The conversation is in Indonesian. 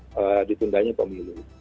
menolak ditundanya pemilu